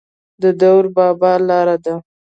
د دور بابا لاره ده